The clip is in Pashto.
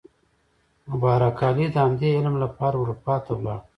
مبارک علي د همدې علم لپاره اروپا ته لاړ.